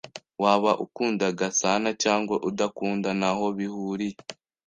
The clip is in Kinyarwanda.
Waba ukunda Gasanacyangwa udakunda ntaho bihuriye.